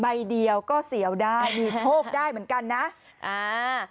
ใบเดียวก็เสียวได้มีโชคได้เหมือนกันนะอ่า